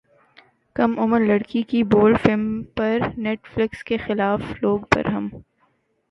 کم عمر لڑکی کی بولڈ فلم پر نیٹ فلیکس کے خلاف لوگ برہم